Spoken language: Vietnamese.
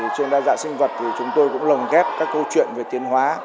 trên đa dạng sinh vật thì chúng tôi cũng lồng ghép các câu chuyện về tiến hóa